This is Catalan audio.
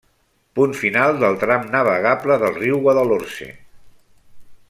Punt final del tram navegable del riu Guadalhorce.